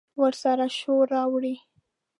ورسره شور، راوړه